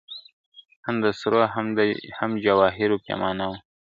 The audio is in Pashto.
هم د سرو هم جواهرو پیمانه وه ..